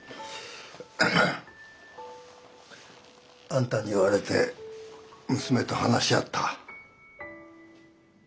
あんたに言われて娘と話し合った。